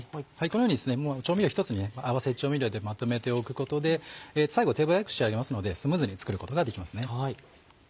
このように調味料を一つに合わせ調味料でまとめておくことで最後手早く仕上げますのでスムーズに作ることができますね。